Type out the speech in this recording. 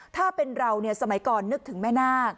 ถ้าเป็นเราสมัยก่อนนึกถึงแม่นาค